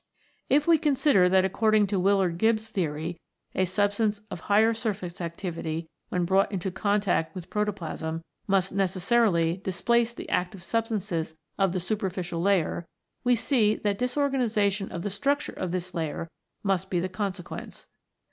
If we consider that according to Willard Gibbs' theory a substance of higher surface activity, when brought into contact with protoplasm, must necessarily displace the active substances of the superficial layer, we see that disorganisation of the structure of this layer must be the conse quence.